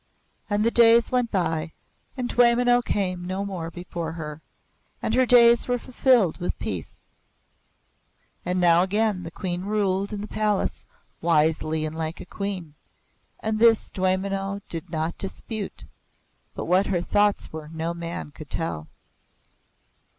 And the days went by and Dwaymenau came no more before her, and her days were fulfilled with peace. And now again the Queen ruled in the palace wisely and like a Queen, and this Dwaymenau did not dispute, but what her thoughts were no man could tell.